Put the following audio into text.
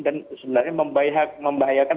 dan sebenarnya membahayakan